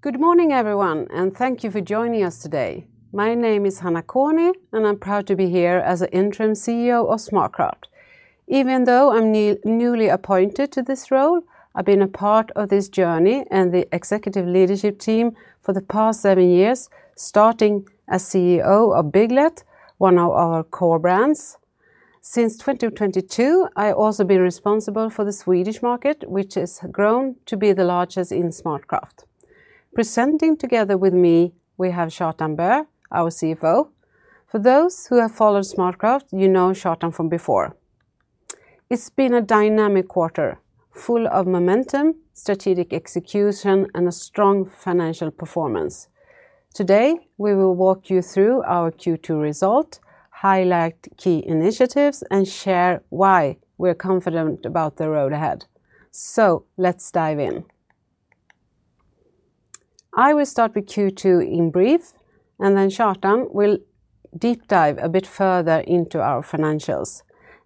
Good morning, everyone, and thank you for joining us today. My name is Hanna Konyi, and I'm proud to be here as Interim CEO of SmartCraft ASA. Even though I'm newly appointed to this role, I've been a part of this journey and the executive leadership team for the past seven years, starting as CEO of Bygglet, one of our core brands. Since 2022, I've also been responsible for the Swedish market, which has grown to be the largest in SmartCraft ASA. Presenting together with me, we have Kjartan Bø, our CFO. For those who have followed SmartCraft ASA, you know Kjartan from before. It's been a dynamic quarter, full of momentum, strategic execution, and a strong financial performance. Today, we will walk you through our Q2 results, highlight key initiatives, and share why we're confident about the road ahead. Let's dive in. I will start with Q2 in brief, and then Kjartan will deep dive a bit further into our financials.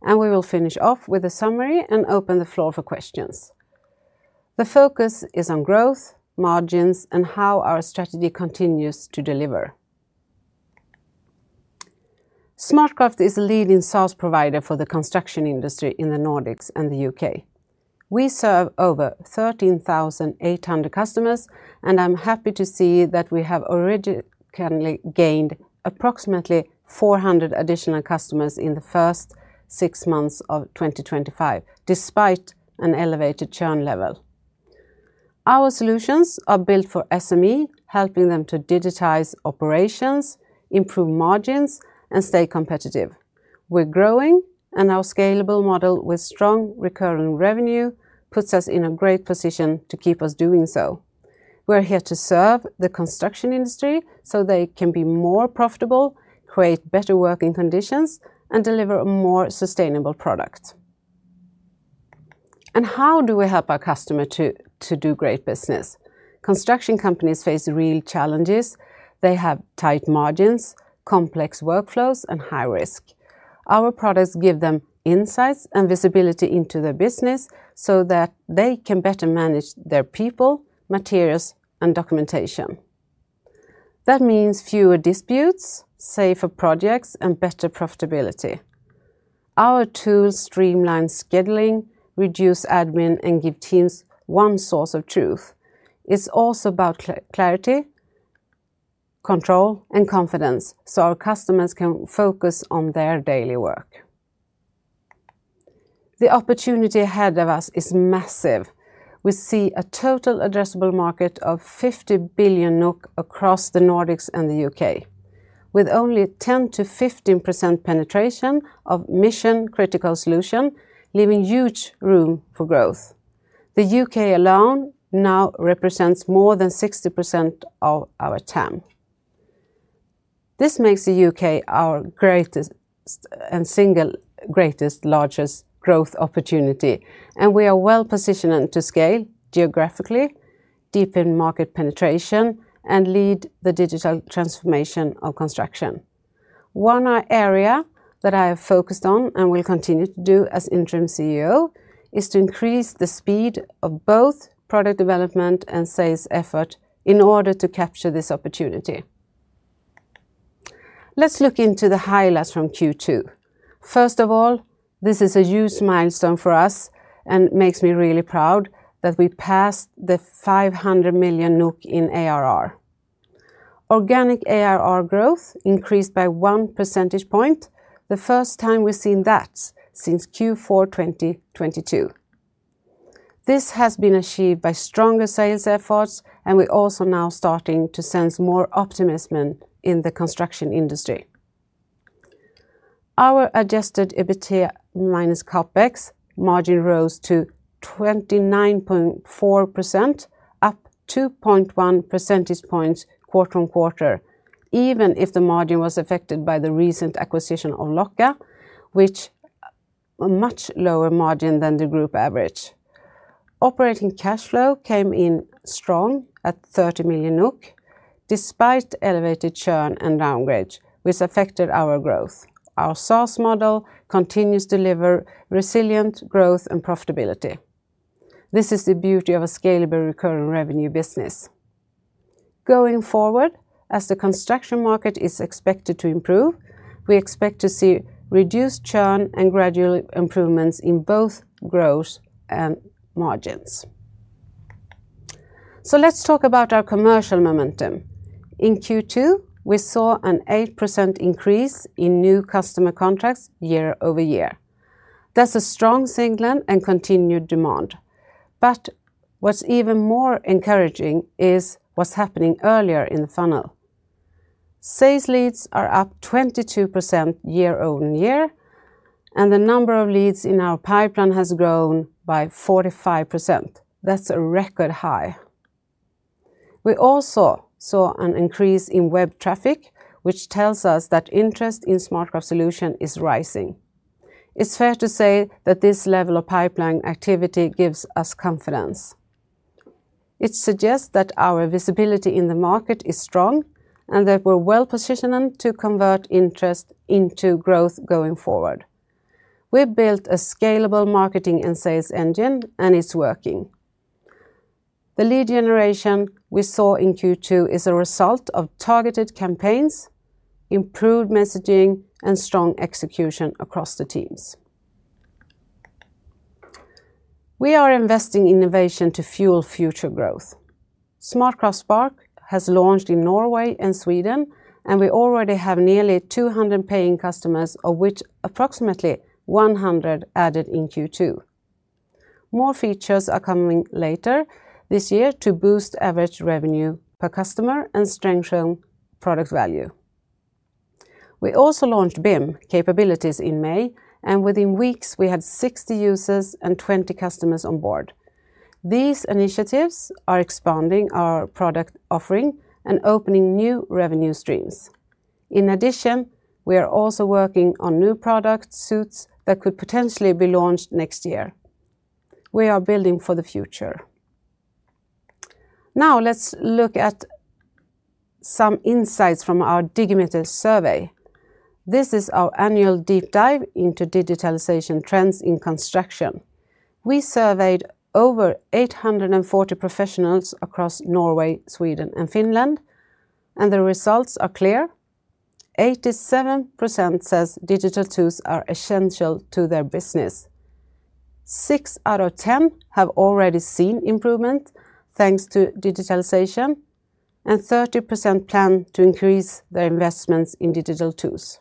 We will finish off with a summary and open the floor for questions. The focus is on growth, margins, and how our strategy continues to deliver. SmartCraft ASA is a leading SaaS provider for the construction industry in the Nordics and the U.K. We serve over 13,800 customers, and I'm happy to see that we have already gained approximately 400 additional customers in the first six months of 2025, despite an elevated churn level. Our solutions are built for SME, helping them to digitize operations, improve margins, and stay competitive. We're growing, and our scalable model with strong recurring revenue puts us in a great position to keep us doing so. We're here to serve the construction industry so they can be more profitable, create better working conditions, and deliver a more sustainable product. How do we help our customers to do great business? Construction companies face real challenges. They have tight margins, complex workflows, and high risk. Our products give them insights and visibility into their business so that they can better manage their people, materials, and documentation. That means fewer disputes, safer projects, and better profitability. Our tools streamline scheduling, reduce admin, and give teams one source of truth. It's also about clarity, control, and confidence so our customers can focus on their daily work. The opportunity ahead of us is massive. We see a total addressable market of 50 billion NOK across the Nordics and the U.K., with only 10%-15% penetration of mission-critical solutions, leaving huge room for growth. The U.K. alone now represents more than 60% of our TAM. This makes the U.K. our greatest and single greatest largest growth opportunity, and we are well positioned to scale geographically, deepen market penetration, and lead the digital transformation of construction. One area that I have focused on and will continue to do as Interim CEO is to increase the speed of both product development and sales efforts in order to capture this opportunity. Let's look into the highlights from Q2. First of all, this is a huge milestone for us and makes me really proud that we passed the 500 million NOK in ARR. Organic ARR growth increased by 1 percentage point, the first time we've seen that since Q4 2022. This has been achieved by stronger sales efforts, and we're also now starting to sense more optimism in the construction industry. Our adjusted EBITDA minus CapEx margin rose to 29.4%, up 2.1 percentage points quarter-on-quarter, even if the margin was affected by the recent acquisition of Locka, which is a much lower margin than the group average. Operating cash flow came in strong at 30 million NOK, despite elevated churn and downgrades, which affected our growth. Our SaaS model continues to deliver resilient growth and profitability. This is the beauty of a scalable recurring revenue business. Going forward, as the construction market is expected to improve, we expect to see reduced churn and gradual improvements in both growth and margins. Let's talk about our commercial momentum. In Q2, we saw an 8% increase in new customer contracts year-over-year. That's a strong signal and continued demand. What's even more encouraging is what's happening earlier in the funnel. Sales leads are up 22% year-over-year, and the number of leads in our pipeline has grown by 45%. That's a record high. We also saw an increase in web traffic, which tells us that interest in SmartCraft's solution is rising. It's fair to say that this level of pipeline activity gives us confidence. It suggests that our visibility in the market is strong and that we're well positioned to convert interest into growth going forward. We've built a scalable marketing and sales engine, and it's working. The lead generation we saw in Q2 is a result of targeted campaigns, improved messaging, and strong execution across the teams. We are investing in innovation to fuel future growth. SmartCraft Spark has launched in Norway and Sweden, and we already have nearly 200 paying customers, of which approximately 100 added in Q2. More features are coming later this year to boost average revenue per customer and strengthen product value. We also launched BIM capabilities in May, and within weeks, we had 60 users and 20 customers on board. These initiatives are expanding our product offering and opening new revenue streams. In addition, we are also working on new product suites that could potentially be launched next year. We are building for the future. Now, let's look at some insights from our Digimeter survey. This is our annual deep dive into digitalization trends in construction. We surveyed over 840 professionals across Norway, Sweden, and Finland, and the results are clear. 87% say digital tools are essential to their business. Six out of 10 have already seen improvement thanks to digitalization, and 30% plan to increase their investments in digital tools.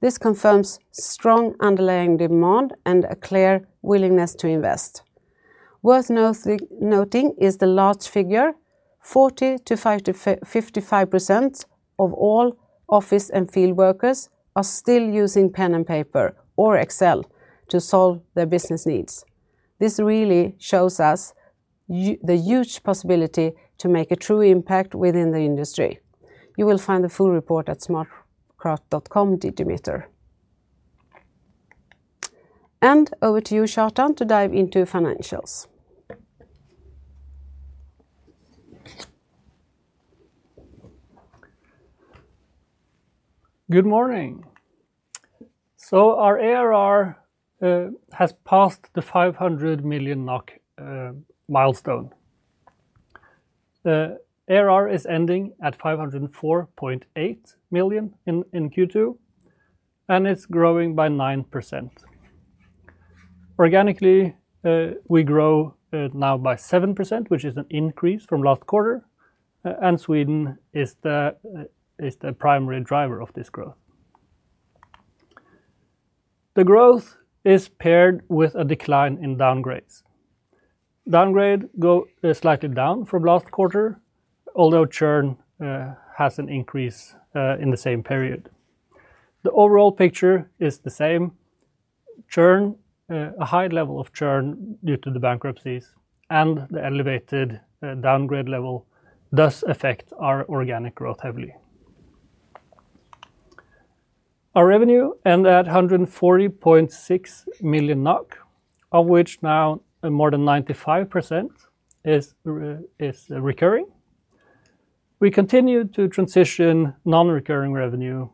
This confirms strong underlying demand and a clear willingness to invest. Worth noting is the large figure: 40%-55% of all office and field workers are still using pen and paper or Excel to solve their business needs. This really shows us the huge possibility to make a true impact within the industry. You will find the full report at smartcraft.com. Over to you, Kjartan, to dive into financials. Good morning. Our ARR has passed the 500 million NOK milestone. The ARR is ending at 504.8 million in Q2, and it's growing by 9%. Organically, we grow now by 7%, which is an increase from last quarter, and Sweden is the primary driver of this growth. The growth is paired with a decline in downgrades. Downgrade is slightly down from last quarter, although churn has an increase in the same period. The overall picture is the same. A high level of churn due to the bankruptcies and the elevated downgrade level does affect our organic growth heavily. Our revenue ended at 140.6 million NOK, of which now more than 95% is recurring. We continue to transition non-recurring revenue,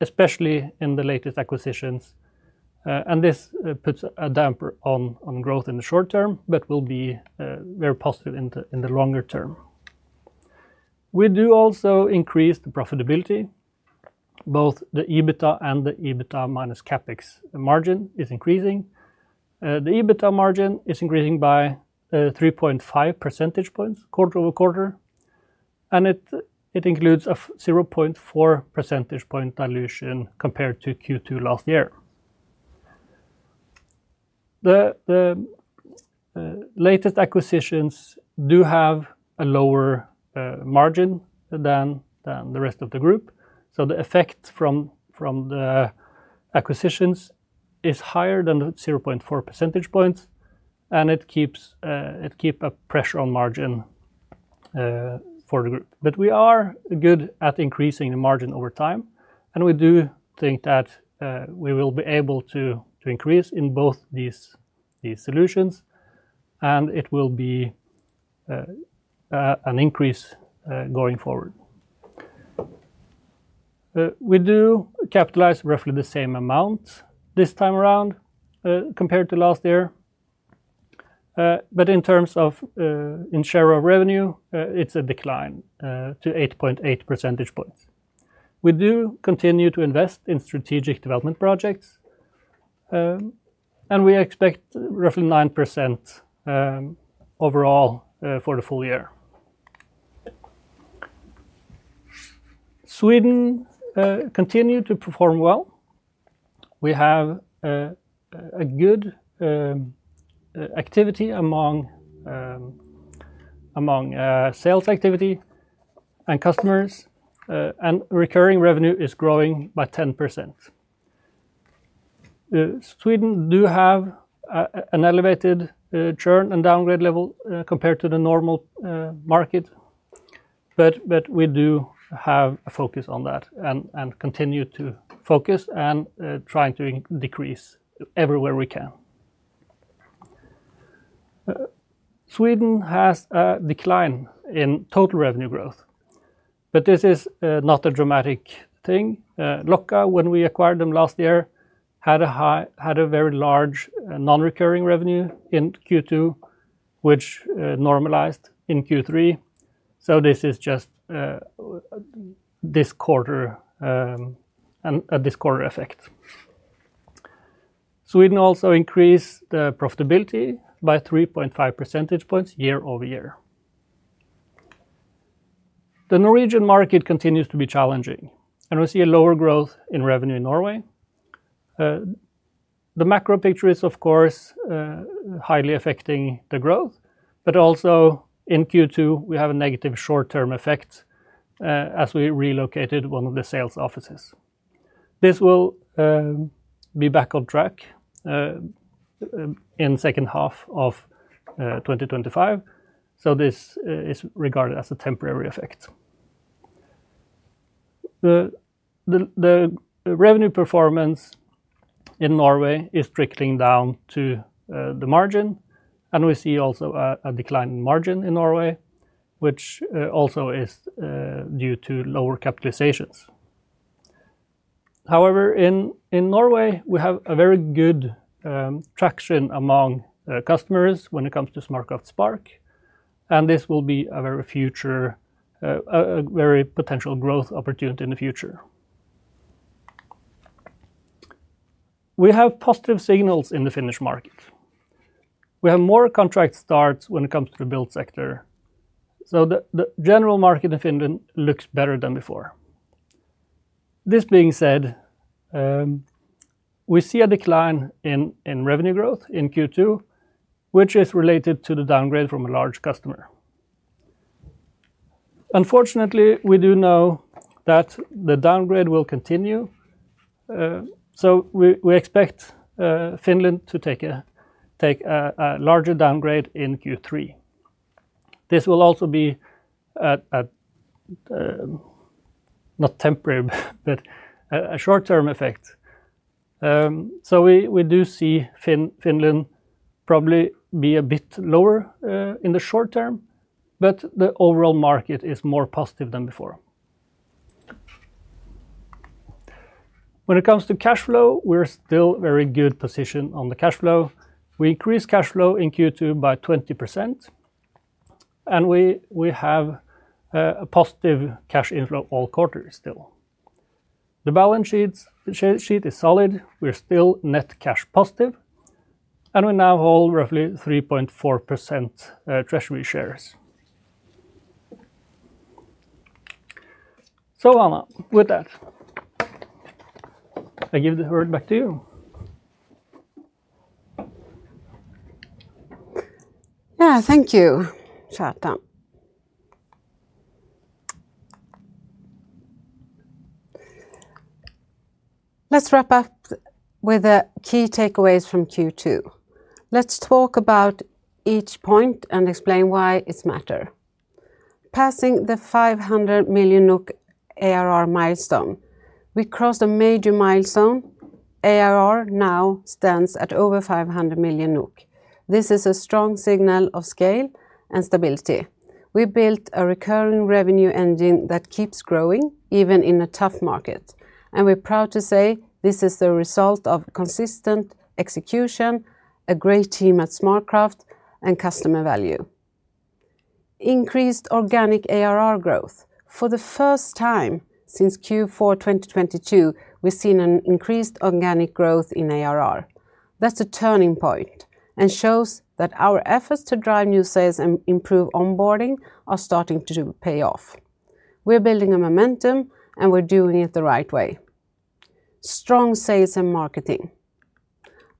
especially in the latest acquisitions, and this puts a damper on growth in the short term, but will be very positive in the longer term. We do also increase the profitability. Both the EBITDA and the EBITDA minus CapEx margin is increasing. The EBITDA margin is increasing by 3.5 percentage points quarter-over-quarter, and it includes a 0.4 percentage point dilution compared to Q2 last year. The latest acquisitions do have a lower margin than the rest of the group, so the effect from the acquisitions is higher than 0.4 percentage points, and it keeps a pressure on margin for the group. We are good at increasing the margin over time, and we do think that we will be able to increase in both these solutions, and it will be an increase going forward. We do capitalize roughly the same amount this time around compared to last year, but in terms of share of revenue, it's a decline to 8.8 percentage points. We do continue to invest in strategic development projects, and we expect roughly 9% overall for the full year. Sweden continues to perform well. We have a good activity among sales activity and customers, and recurring revenue is growing by 10%. Sweden does have an elevated churn and downgrade level compared to the normal market, but we do have a focus on that and continue to focus on trying to decrease everywhere we can. Sweden has a decline in total revenue growth, but this is not a dramatic thing. Locka, when we acquired them last year, had a very large non-recurring revenue in Q2, which normalized in Q3. This is just this quarter and this quarter effect. Sweden also increased the profitability by 3.5 percentage points year-over-year. The Norwegian market continues to be challenging, and we see a lower growth in revenue in Norway. The macro picture is, of course, highly affecting the growth, but also in Q2, we have a negative short-term effect as we relocated one of the sales offices. This will be back on track in the second half of 2025, so this is regarded as a temporary effect. The revenue performance in Norway is trickling down to the margin, and we see also a decline in margin in Norway, which also is due to lower capitalizations. However, in Norway, we have very good traction among customers when it comes to SmartCraft Spark, and this will be a very potential growth opportunity in the future. We have positive signals in the Finnish market. We have more contract starts when it comes to the build sector, so the general market in Finland looks better than before. This being said, we see a decline in revenue growth in Q2, which is related to the downgrade from a large customer. Unfortunately, we do know that the downgrade will continue, so we expect Finland to take a larger downgrade in Q3. This will also be not temporary, but a short-term effect. We do see Finland probably be a bit lower in the short term, but the overall market is more positive than before. When it comes to cash flow, we're still in a very good position on the cash flow. We increased cash flow in Q2 by 20%, and we have a positive cash inflow all quarters still. The balance sheet is solid. We're still net cash positive, and we now hold roughly 3.4% treasury shares. Hanna, with that, I give the word back to you. Yeah, thank you, Kjartan. Let's wrap up with the key takeaways from Q2. Let's talk about each point and explain why it matters. Passing the 500 million NOK ARR milestone, we crossed a major milestone. ARR now stands at over 500 million NOK. This is a strong signal of scale and stability. We built a recurring revenue engine that keeps growing even in a tough market, and we're proud to say this is the result of consistent execution, a great team at SmartCraft ASA, and customer value. Increased organic ARR growth. For the first time since Q4 2022, we've seen an increased organic growth in ARR. That's a turning point and shows that our efforts to drive new sales and improve onboarding are starting to pay off. We're building a momentum, and we're doing it the right way. Strong sales and marketing.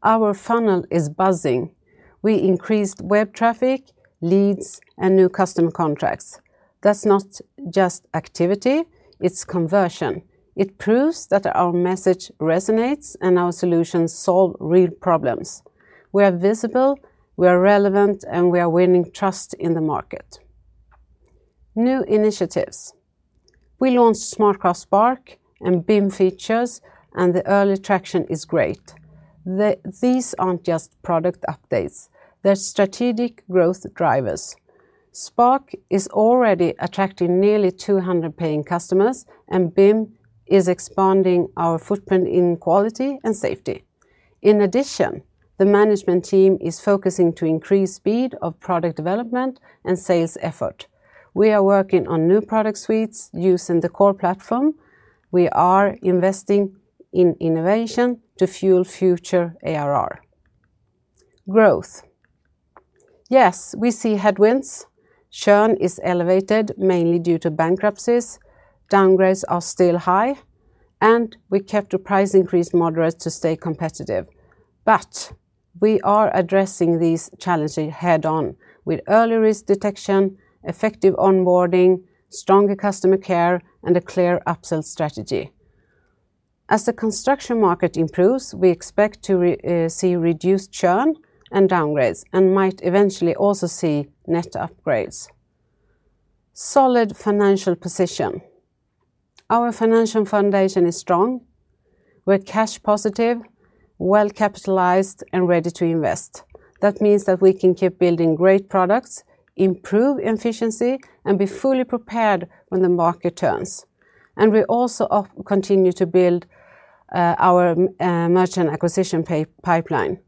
Our funnel is buzzing. We increased web traffic, leads, and new customer contracts. That's not just activity, it's conversion. It proves that our message resonates and our solutions solve real problems. We are visible, we are relevant, and we are winning trust in the market. New initiatives. We launched SmartCraft Spark and BIM features, and the early traction is great. These aren't just product updates, they're strategic growth drivers. Spark is already attracting nearly 200 paying customers, and BIM is expanding our footprint in quality and safety. In addition, the management team is focusing to increase speed of product development and sales effort. We are working on new product suites using the core platform. We are investing in innovation to fuel future ARR growth. Yes, we see headwinds. Churn is elevated mainly due to bankruptcies. Downgrades are still high, and we kept the price increase moderate to stay competitive. We are addressing these challenges head-on with early risk detection, effective onboarding, stronger customer care, and a clear upsell strategy. As the construction market improves, we expect to see reduced churn and downgrades and might eventually also see net upgrades. Solid financial position. Our financial foundation is strong. We're cash positive, well capitalized, and ready to invest. That means that we can keep building great products, improve efficiency, and be fully prepared when the market turns. We also continue to build our merchant acquisition pipeline.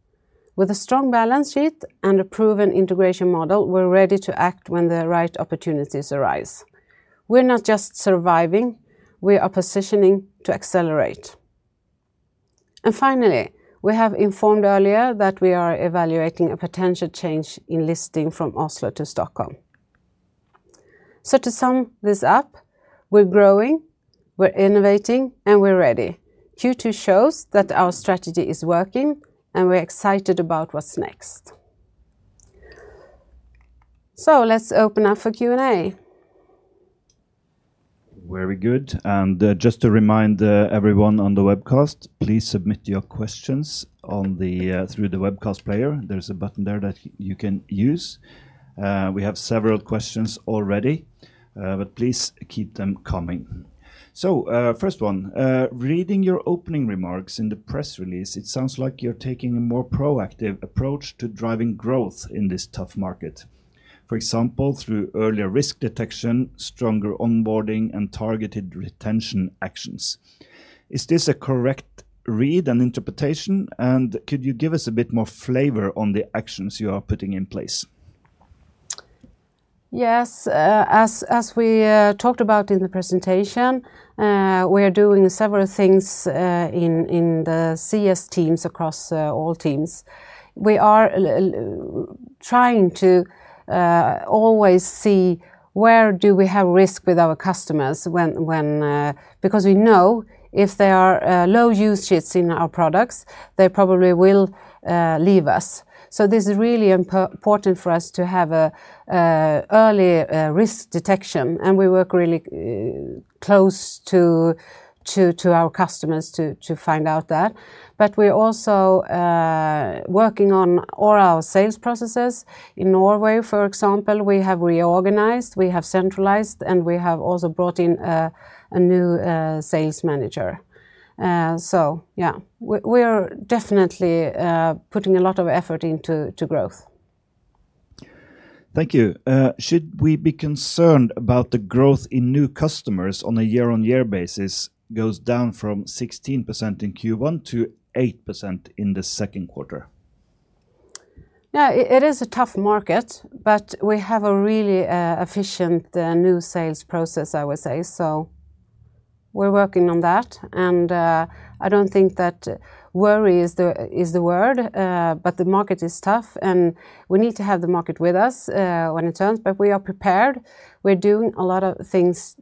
With a strong balance sheet and a proven integration model, we're ready to act when the right opportunities arise. We're not just surviving, we are positioning to accelerate. Finally, we have informed earlier that we are evaluating a potential change in listing from Oslo Børs to Nasdaq Stockholm. To sum this up, we're growing, we're innovating, and we're ready. Q2 shows that our strategy is working, and we're excited about what's next. Let's open up for Q&A. Very good. Just to remind everyone on the webcast, please submit your questions through the webcast player. There's a button there that you can use. We have several questions already, but please keep them coming. First, reading your opening remarks in the press release, it sounds like you're taking a more proactive approach to driving growth in this tough market, for example, through earlier risk detection, stronger onboarding, and targeted retention actions. Is this a correct read and interpretation, and could you give us a bit more flavor on the actions you are putting in place? Yes, as we talked about in the presentation, we are doing several things in the CS teams across all teams. We are trying to always see where do we have risk with our customers because we know if there are low use sheets in our products, they probably will leave us. This is really important for us to have an early risk detection, and we work really close to our customers to find out that. We are also working on all our sales processes. In Norway, for example, we have reorganized, we have centralized, and we have also brought in a new sales manager. We are definitely putting a lot of effort into growth. Thank you. Should we be concerned about the growth in new customers on a year-on-year basis that goes down from 16% in Q1 to 8% in the second quarter? Yeah, it is a tough market, but we have a really efficient new sales process, I would say. We're working on that, and I don't think that worry is the word, but the market is tough, and we need to have the market with us when it turns. We are prepared. We're doing a lot of things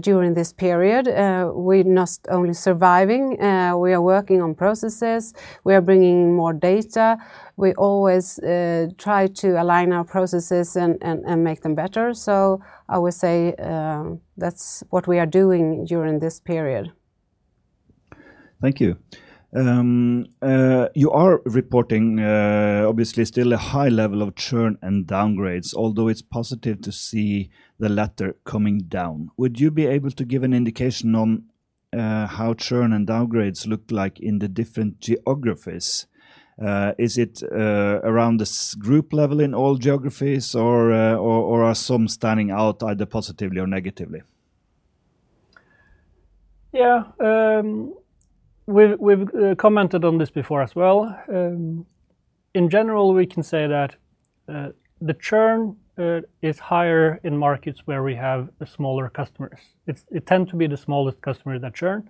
during this period. We're not only surviving, we are working on processes. We are bringing more data. We always try to align our processes and make them better. I would say that's what we are doing during this period. Thank you. You are reporting obviously still a high level of churn and downgrades, although it's positive to see the latter coming down. Would you be able to give an indication on how churn and downgrades look like in the different geographies? Is it around the group level in all geographies, or are some standing out either positively or negatively? Yeah, we've commented on this before as well. In general, we can say that the churn is higher in markets where we have smaller customers. It tends to be the smallest customers that churn,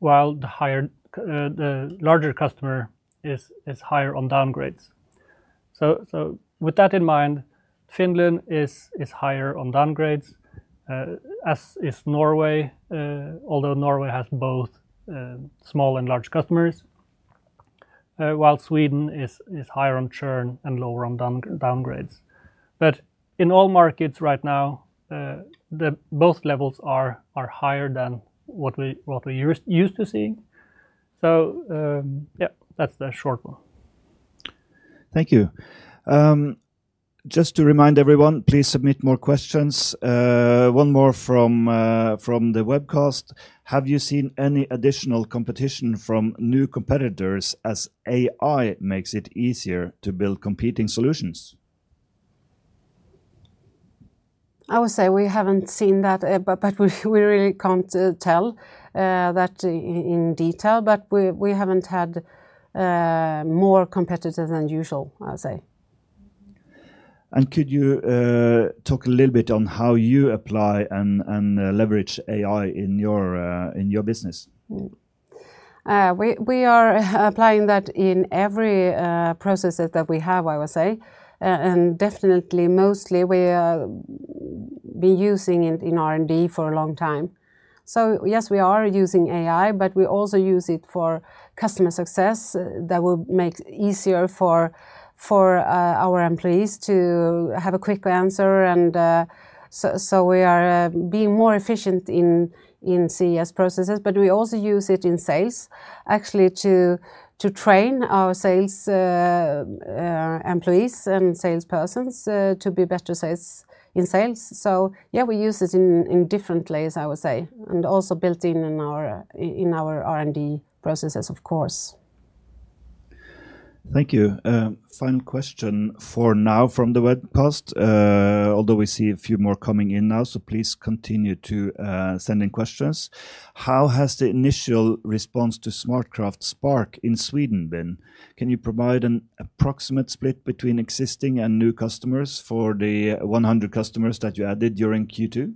while the larger customer is higher on downgrades. With that in mind, Finland is higher on downgrades, as is Norway, although Norway has both small and large customers, while Sweden is higher on churn and lower on downgrades. In all markets right now, both levels are higher than what we're used to seeing. That's the short one. Thank you. Just to remind everyone, please submit more questions. One more from the webcast: Have you seen any additional competition from new competitors as AI makes it easier to build competing solutions? I would say we haven't seen that, but we really can't tell that in detail. We haven't had more competitors than usual, I'd say. Could you talk a little bit on how you apply and leverage AI in your business? We are applying that in every process that we have, I would say, and definitely mostly we've been using it in R&D for a long time. Yes, we are using AI, but we also use it for customer success. That will make it easier for our employees to have a quick answer, and we are being more efficient in CS processes. We also use it in sales, actually to train our sales employees and salespersons to be better in sales. We use it in different ways, I would say, and also built in in our R&D processes, of course. Thank you. Final question for now from the webcast, although we see a few more coming in now, so please continue to send in questions. How has the initial response to SmartCraft Spark in Sweden been? Can you provide an approximate split between existing and new customers for the 100 customers that you added during Q2?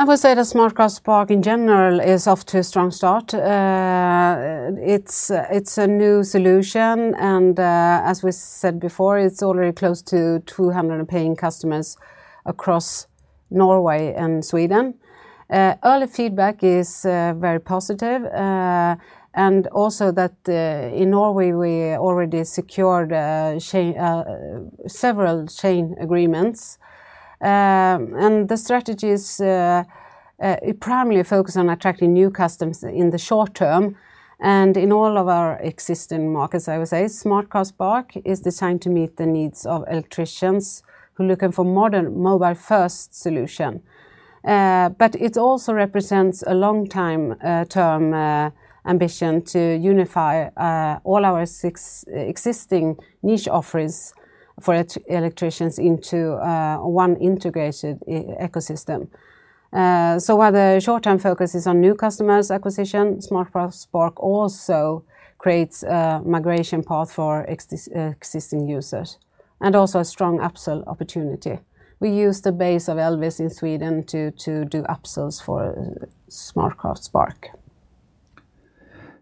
I would say that SmartCraft Spark in general is off to a strong start. It's a new solution, and as we said before, it's already close to 200 paying customers across Norway and Sweden. Early feedback is very positive, and also that in Norway, we already secured several chain agreements, and the strategies primarily focus on attracting new customers in the short term. In all of our existing markets, I would say, SmartCraft Spark is designed to meet the needs of electricians who are looking for modern mobile-first solutions. It also represents a long-term ambition to unify all our six existing niche offerings for electricians into one integrated ecosystem. While the short-term focus is on new customers' acquisition, SmartCraft Spark also creates a migration path for existing users and also a strong upsell opportunity. We use the base of EL-VIS in Sweden to do upsells for SmartCraft Spark.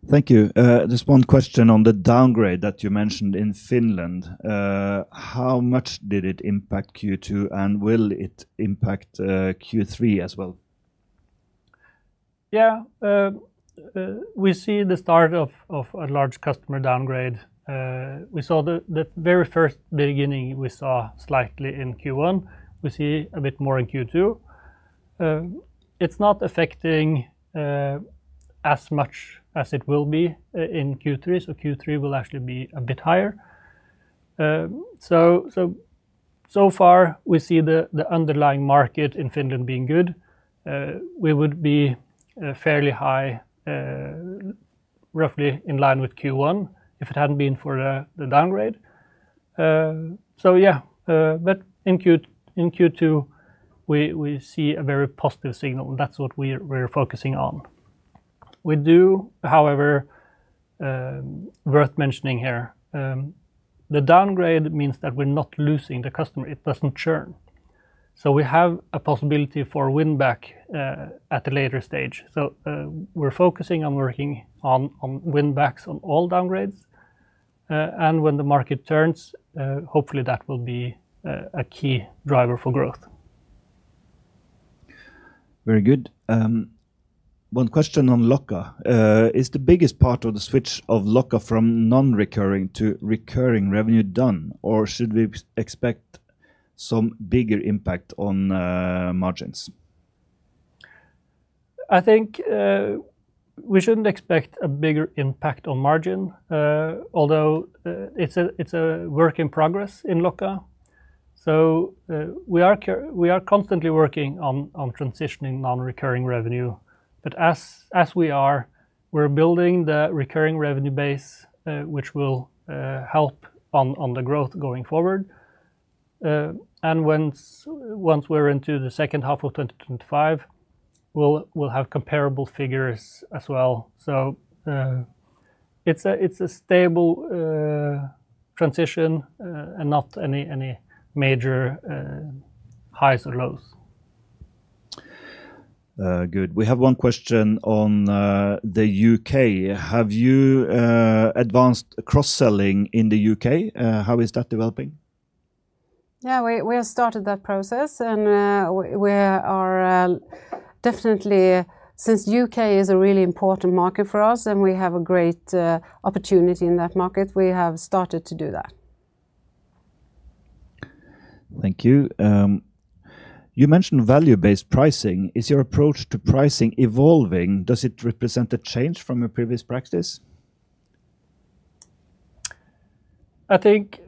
Thank you. Just one question on the downgrade that you mentioned in Finland. How much did it impact Q2, and will it impact Q3 as well? Yeah, we see the start of a large customer downgrade. We saw the very first beginning, we saw slightly in Q1. We see a bit more in Q2. It's not affecting as much as it will be in Q3. Q3 will actually be a bit higher. So far, we see the underlying market in Finland being good. We would be fairly high, roughly in line with Q1, if it hadn't been for the downgrade. In Q2, we see a very positive signal, and that's what we're focusing on. We do, however, think it's worth mentioning here, the downgrade means that we're not losing the customer. It doesn't churn. We have a possibility for win-back at a later stage. We're focusing on working on win-backs on all downgrades, and when the market turns, hopefully that will be a key driver for growth. Very good. One question on Locka. Is the biggest part of the switch of Locka from non-recurring to recurring revenue done, or should we expect some bigger impact on margins? I think we shouldn't expect a bigger impact on margin, although it's a work in progress in Locka. We are constantly working on transitioning non-recurring revenue, but as we are, we're building the recurring revenue base, which will help on the growth going forward. Once we're into the second half of 2025, we'll have comparable figures as well. It's a stable transition and not any major highs or lows. Good. We have one question on the U.K. Have you advanced cross-selling in the U.K.? How is that developing? Yeah, we have started that process, and we are definitely, since the U.K. is a really important market for us and we have a great opportunity in that market, we have started to do that. Thank you. You mentioned value-based pricing. Is your approach to pricing evolving? Does it represent a change from your previous practice? I think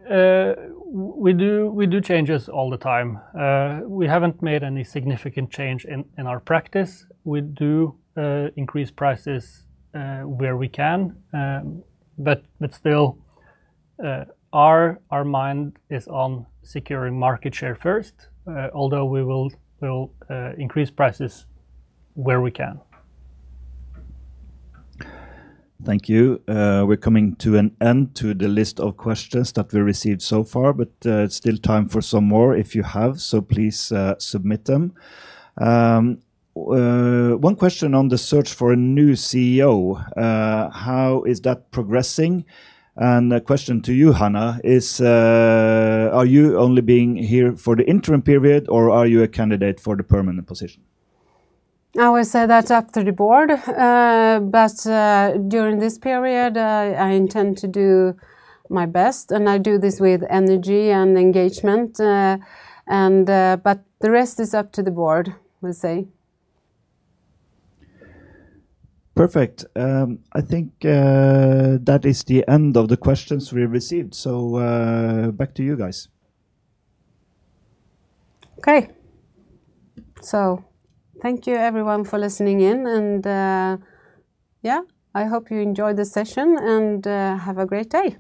we do changes all the time. We haven't made any significant change in our practice. We do increase prices where we can, but still, our mind is on securing market share first, although we will increase prices where we can. Thank you. We're coming to an end to the list of questions that we received so far, but there's still time for some more if you have, so please submit them. One question on the search for a new CEO. How is that progressing? A question to you, Hanna, is are you only being here for the interim period, or are you a candidate for the permanent position? I would say that's up to the board. During this period, I intend to do my best, and I do this with energy and engagement. The rest is up to the board, I would say. Perfect. I think that is the end of the questions we received. Back to you guys. Thank you everyone for listening in, and yeah, I hope you enjoyed the session and have a great day.